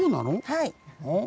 はい。